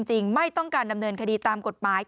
ไม่ต้องการดำเนินคดีตามกฎหมาย